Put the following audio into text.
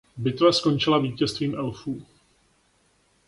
Bitva skončila vítězstvím elfů.